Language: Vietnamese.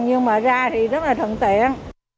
nhưng mà ra thì rất là thuận tiện